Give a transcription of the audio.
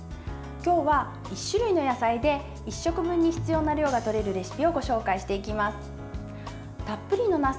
今日は、１種類の野菜で１食分に必要な量がとれるレシピをご紹介していきます。